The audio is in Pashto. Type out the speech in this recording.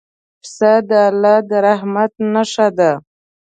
پسه د الله د رحمت نښه ده.